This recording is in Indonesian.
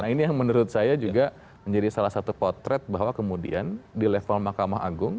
nah ini yang menurut saya juga menjadi salah satu potret bahwa kemudian di level mahkamah agung